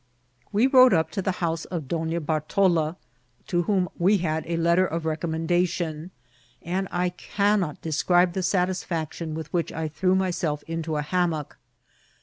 We rode up to the house of Donna Bartola, to whom we had a letter of recommendation^ and I cannot de» aoribe the satisfaction with which I threw myself into a hammock.